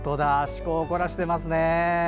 趣向を凝らしてますね。